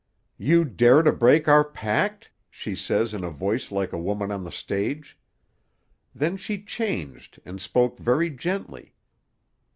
"'You dare to break our pact?' she says in a voice like a woman on the stage. Then she changed and spoke very gently.